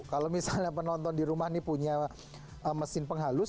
kalau misalnya penonton di rumah ini punya mesin penghalus